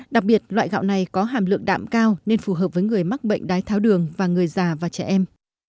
đặc biệt loại gạo này có hàm lượng đạm cao nên phù hợp với người mắc bệnh đái tháo đường và người già và trẻ em